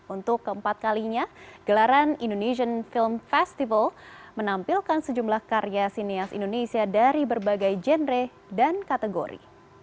untuk keempat kalinya gelaran indonesian film festival menampilkan sejumlah karya sinias indonesia dari berbagai genre dan kategori